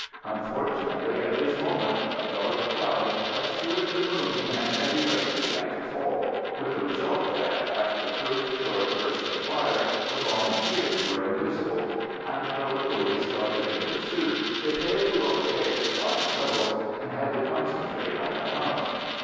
Unfortunately at this moment a dark cloud obscured the moon and heavy rain began to fall, with the result that, after the first short burst of fire, the Volunteers were invisible; and though the police started in pursuit, they failed to overtake the flying rebels, and had to concentrate on the house.